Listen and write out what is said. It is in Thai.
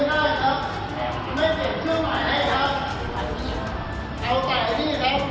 ถ้ามันเทมไม่ได้